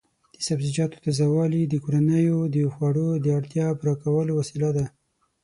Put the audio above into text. د سبزیجاتو تازه والي د کورنیو د خوړو د اړتیا پوره کولو وسیله ده.